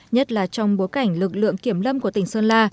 nhất là trong bối cảnh lực lượng kiểm lâm của tỉnh sơn la